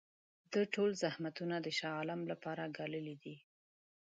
دا ټول زحمتونه د شاه عالم لپاره ګاللي دي.